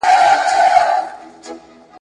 مفسدين مختلف پلانونه او دسيسې جوړوي.